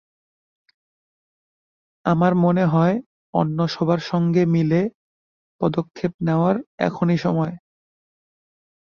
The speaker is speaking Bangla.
আমার মনে হয়, অন্য সবার সঙ্গে মিলে পদক্ষেপ নেওয়ার এখনই সময়।